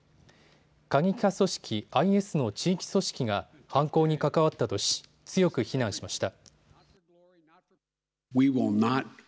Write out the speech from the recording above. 過激派組織ＩＳの地域組織が犯行に関わったとし強く非難しました。